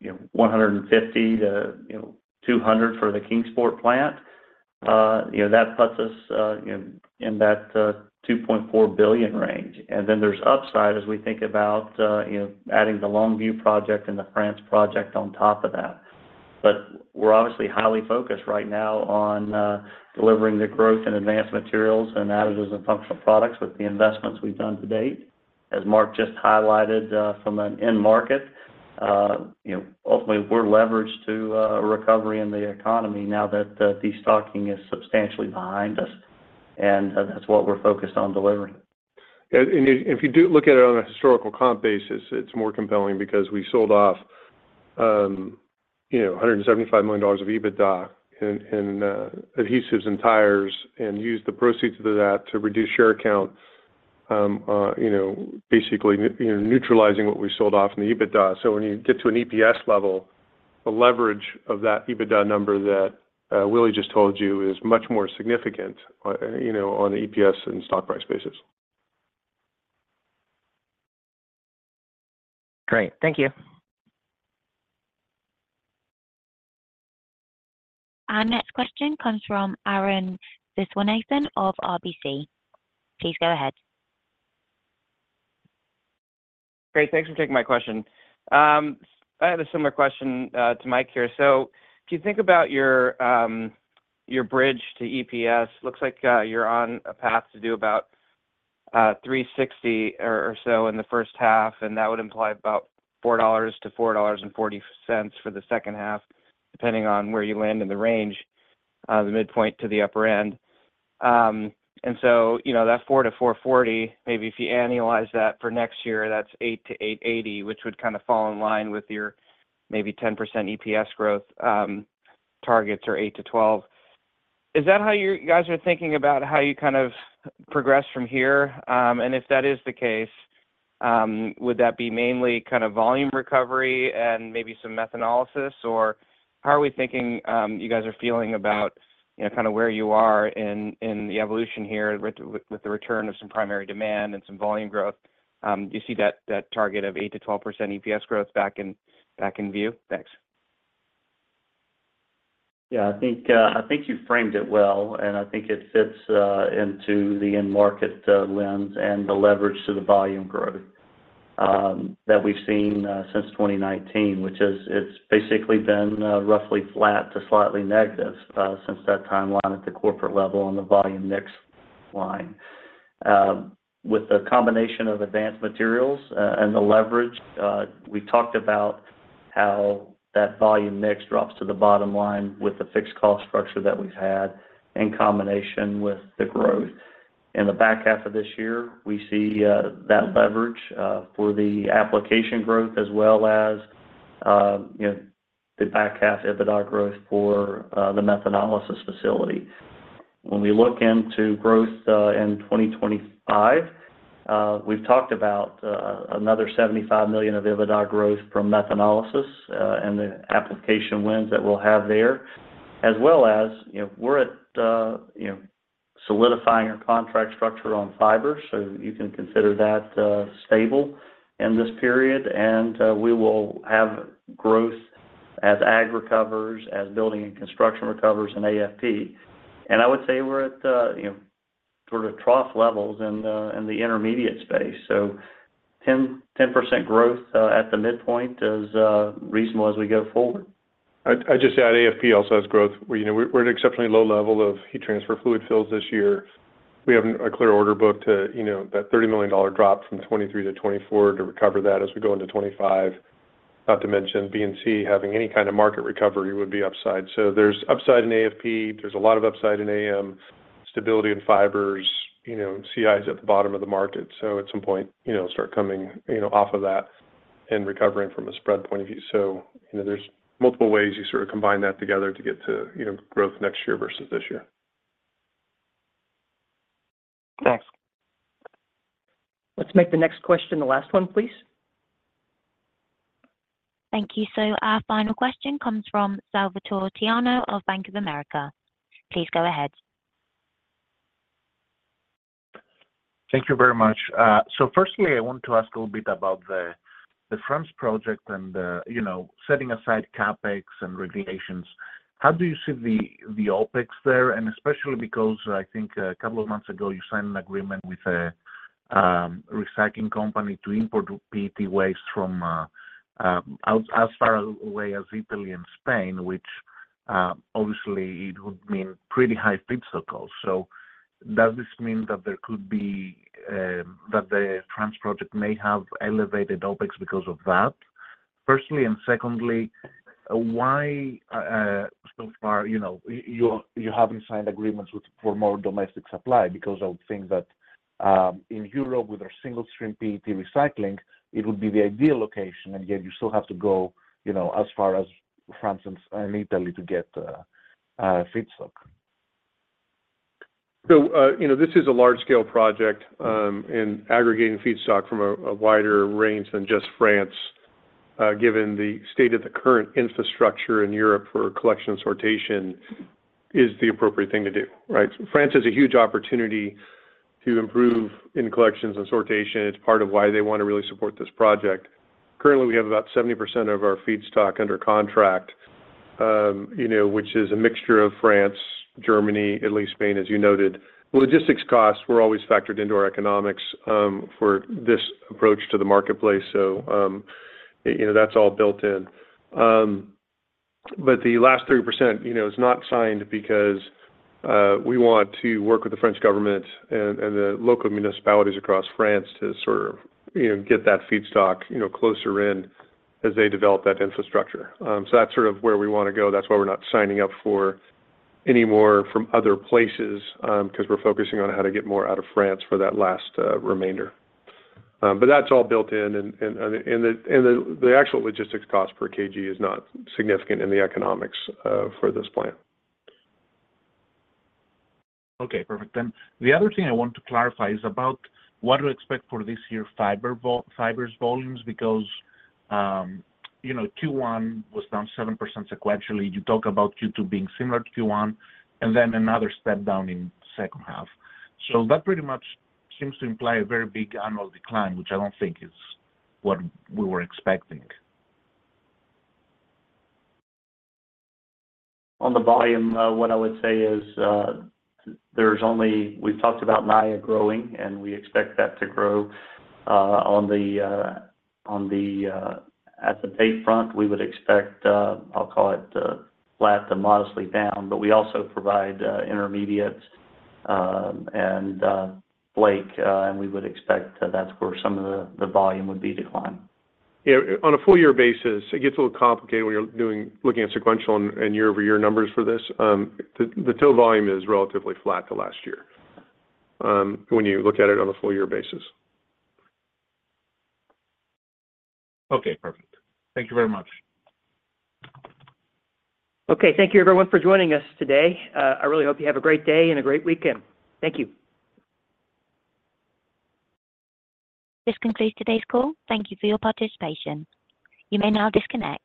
you know, $150 million-$200 million for the Kingsport plant, you know, that puts us, in, in that, $2.4 billion range. And then there's upside as we think about, you know, adding the Longview project and the France project on top of that. But we're obviously highly focused right now on, delivering the growth in Advanced Materials and Additives and Functional Products with the investments we've done to date. As Mark just highlighted, from an end market, you know, ultimately, we're leveraged to a recovery in the economy now that the stocking is substantially behind us, and that's what we're focused on delivering. Yeah, and if you do look at it on a historical comp basis, it's more compelling because we sold off, you know, $175 million of EBITDA in adhesives and tires and used the proceeds of that to reduce share counts, you know, basically, neutralizing what we sold off in the EBITDA. So when you get to an EPS level, the leverage of that EBITDA number that Willie just told you is much more significant, you know, on EPS and stock price basis. Great. Thank you. Our next question comes from Arun Viswanathan of RBC. Please go ahead. Great, thanks for taking my question. I have a similar question to Mike here. So if you think about your bridge to EPS, looks like you're on a path to do about $3.60 or so in the first half, and that would imply about $4.00-$4.40 for the second half, depending on where you land in the range, the midpoint to the upper end. And so, you know, that $4-$4.40, maybe if you annualize that for next year, that's $8-$8.80, which would kind of fall in line with your maybe 10% EPS growth targets or 8%-12%. Is that how you guys are thinking about how you kind of progress from here? And if that is the case, would that be mainly kind of volume recovery and maybe some methanolysis? Or how are we thinking, you guys are feeling about, you know, kind of where you are in the evolution here with the return of some primary demand and some volume growth? Do you see that target of 8%-12% EPS growth back in view? Thanks. Yeah, I think, I think you framed it well, and I think it fits into the end market lens and the leverage to the volume growth that we've seen since 2019, which is, it's basically been roughly flat to slightly negative since that timeline at the corporate level on the volume mix line. With the combination of Advanced Materials and the leverage we talked about how that volume mix drops to the bottom line with the fixed cost structure that we've had in combination with the growth. In the back half of this year, we see that leverage for the application growth as well as you know, the back half EBITDA growth for the methanolysis facility. When we look into growth in 2025, we've talked about another $75 million of EBITDA growth from methanolysis and the application wins that we'll have there, as well as, you know, we're at you know solidifying our contract structure on fiber, so you can consider that stable in this period, and we will have growth as Ag recovers, as building and construction recovers in AFP. And I would say we're at you know sort of trough levels in the intermediate space. So 10, 10% growth at the midpoint is reasonable as we go forward. I'd just add, AFP also has growth, where, you know, we're at exceptionally low level of heat transfer fluid fills this year. We have a clear order book to, you know, that $30 million drop from 2023 to 2024 to recover that as we go into 2025. Not to mention, B&C having any kind of market recovery would be upside. So there's upside in AFP, there's a lot of upside in AM, stability in fibers, you know, CI is at the bottom of the market, so at some point, you know, start coming, you know, off of that and recovering from a spread point of view. So, you know, there's multiple ways you sort of combine that together to get to, you know, growth next year versus this year. Thanks. Let's make the next question the last one, please. Thank you. So our final question comes from Salvatore Tiano of Bank of America. Please go ahead. Thank you very much. So firstly, I want to ask a little bit about the France project and, you know, setting aside CapEx and regulations, how do you see the OpEx there? And especially because I think a couple of months ago, you signed an agreement with a recycling company to import PET waste from out as far away as Italy and Spain, which obviously it would mean pretty high feedstock costs. So does this mean that there could be that the France project may have elevated OpEx because of that? Firstly, and secondly, why so far, you know, you haven't signed agreements with for more domestic supply? Because I would think that in Europe, with their single-stream PET recycling, it would be the ideal location, and yet you still have to go, you know, as far as France and Italy to get feedstock. You know, this is a large-scale project, and aggregating feedstock from a wider range than just France, given the state of the current infrastructure in Europe for collection and sortation is the appropriate thing to do, right? France has a huge opportunity to improve in collections and sortation. It's part of why they want to really support this project. Currently, we have about 70% of our feedstock under contract, you know, which is a mixture of France, Germany, Italy, Spain, as you noted. Logistics costs were always factored into our economics, for this approach to the marketplace, so, you know, that's all built in. But the last 30%, you know, is not signed because we want to work with the French government and the local municipalities across France to sort of, you know, get that feedstock, you know, closer in as they develop that infrastructure. So that's sort of where we wanna go. That's why we're not signing up for any more from other places, 'cause we're focusing on how to get more out of France for that last remainder. But that's all built in, and the actual logistics cost per kg is not significant in the economics for this plant. Okay, perfect. Then the other thing I want to clarify is about what to expect for this year fibers volumes, because, you know, Q1 was down 7% sequentially. You talk about Q2 being similar to Q1, and then another step down in second half. So that pretty much seems to imply a very big annual decline, which I don't think is what we were expecting. On the volume, what I would say is, there's only... We've talked about Naia growing, and we expect that to grow on the base front. We would expect, I'll call it, flat to modestly down, but we also provide intermediates and flake, and we would expect that's where some of the volume would be declined. Yeah, on a full year basis, it gets a little complicated when you're doing looking at sequential and year-over-year numbers for this. The total volume is relatively flat to last year, when you look at it on a full year basis. Okay, perfect. Thank you very much. Okay. Thank you everyone for joining us today. I really hope you have a great day and a great weekend. Thank you. This concludes today's call. Thank you for your participation. You may now disconnect.